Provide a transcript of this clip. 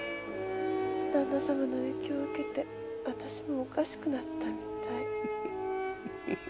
だんな様の影響を受けて私もおかしくなったみたい。